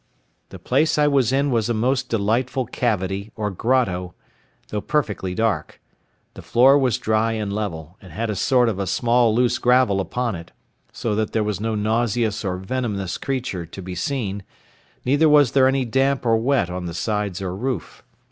The place I was in was a most delightful cavity, or grotto, though perfectly dark; the floor was dry and level, and had a sort of a small loose gravel upon it, so that there was no nauseous or venomous creature to be seen, neither was there any damp or wet on the sides or roof.